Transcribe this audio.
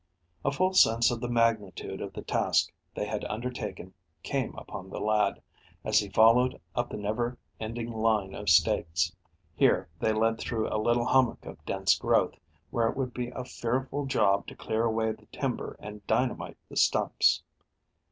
A full sense of the magnitude of the task they had undertaken came upon the lad, as he followed up the never ending line of stakes. Here they led through a little hummock of dense growth, where it would be a fearful job to clear away the timber and dynamite the stumps.